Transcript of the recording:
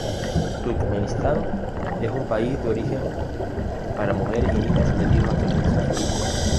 Turkmenistán es un país de origen para mujeres y niños sometidos al tráfico sexual.